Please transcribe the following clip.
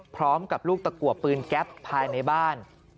พร้อมกับลูกตะกัวปืนแก๊ปภายในบ้าน